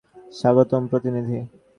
স্বাগতম, প্রতিনিধি।